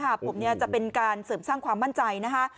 ผมเนี่ยจะเป็นการเสริมสร้างความมั่นใจนะคะ